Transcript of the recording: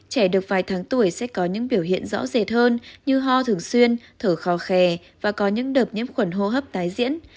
trẻ được vài tháng tuổi sẽ có những biểu hiện rõ rệt hơn như ho thường xuyên thở khò khè và có những đợt nhiễm khuẩn hô hấp tái diễn